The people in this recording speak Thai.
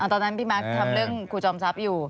ตอนนั้นพี่มาร์คทำเรื่องครูจอมทรัพย์อยู่